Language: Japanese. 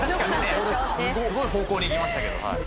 すごい方向にいきましたけど。